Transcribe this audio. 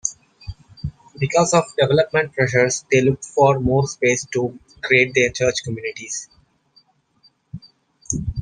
Because of development pressures, they looked for more space to create their church communities.